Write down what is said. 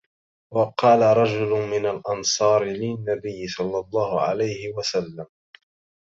وَقَالَ رَجُلٌ مِنْ الْأَنْصَارِ لِلنَّبِيِّ صَلَّى اللَّهُ عَلَيْهِ وَسَلَّمَ